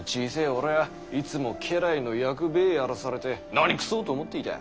俺はいつも家来の役べぇやらされて何くそと思っていた。